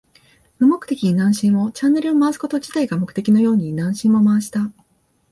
無目的に何周も。チャンネルを回すこと自体が目的のように何周も回した。